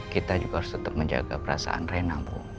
kita juga harus tetap menjaga perasaan rena bu